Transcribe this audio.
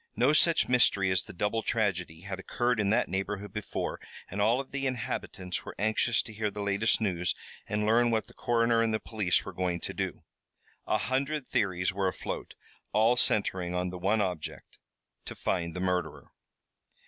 No such mystery as the double tragedy had occurred in that neighborhood before, and all of the inhabitants were anxious to hear the latest news and learn what the coroner and the police were going to do. A hundred theories were afloat, all centering on the one object to find the murderer.